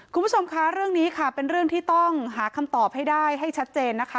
คุณผู้ชมคะเรื่องนี้ค่ะเป็นเรื่องที่ต้องหาคำตอบให้ได้ให้ชัดเจนนะคะ